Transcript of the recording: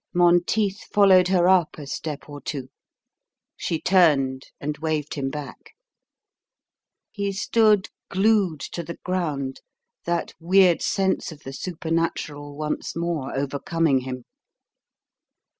Monteith followed her up a step or two. She turned and waved him back. He stood glued to the ground, that weird sense of the supernatural once more overcoming him.